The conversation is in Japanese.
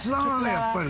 やっぱりね。